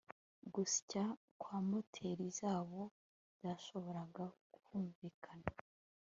Gusya kwa moteri zabo byashoboraga kumvikana